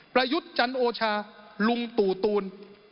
ยุทธ์จันโอชาลุงตู่ตูน